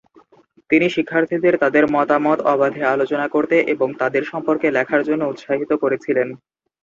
তিনি শিক্ষার্থীদের তাদের মতামত অবাধে আলোচনা করতে এবং তাদের সম্পর্কে লেখার জন্য উৎসাহিত করেছিলেন।